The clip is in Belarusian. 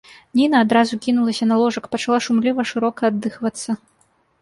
Ніна адразу кінулася на ложак, пачала шумліва, шырока аддыхвацца.